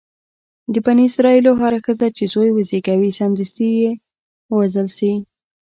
د بني اسرایلو هره ښځه چې زوی وزېږوي سمدستي دې ووژل شي.